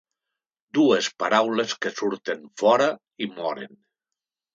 Dues paraules que surten fora i moren.